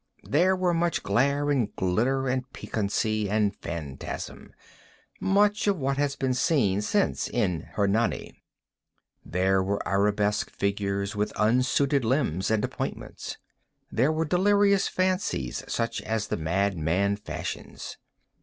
There were much glare and glitter and piquancy and phantasm—much of what has been since seen in "Hernani." There were arabesque figures with unsuited limbs and appointments. There were delirious fancies such as the madman fashions.